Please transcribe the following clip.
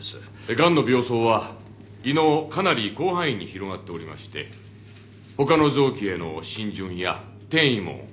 ガンの病巣は胃のかなり広範囲に広がっておりましてほかの臓器への浸潤や転移もかなり進んでいました。